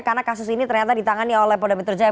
karena kasus ini ternyata ditangani oleh polda metro jaya